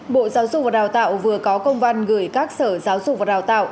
bộ giáo dục và đào tạo vừa có công văn gửi các sở giáo dục và đào tạo